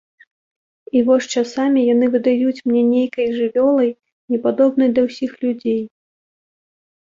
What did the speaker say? І вось часамі яны выдаюць мне нейкай жывёлай, непадобнай да ўсіх людзей.